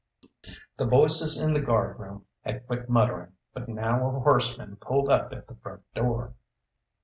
'" The voices in the guardroom had quit muttering, but now a horseman pulled up at the front door.